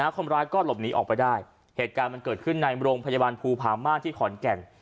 คนร้ายก็หลบหนีออกไปได้เหตุการณ์มันเกิดขึ้นในโรงพยาบาลภูพามาที่ขอนแก่น